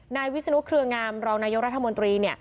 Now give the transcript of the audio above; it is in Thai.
นายวิสนุฯเคลืองามรองนายโยครัฐมนตรี